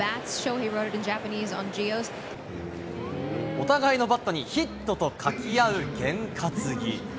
お互いのバットにヒットと書き合う験担ぎ。